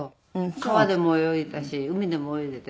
川でも泳いだし海でも泳いでて。